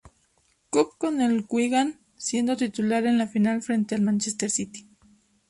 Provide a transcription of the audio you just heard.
Cup con el Wigan, siendo titular en la final frente al Manchester City.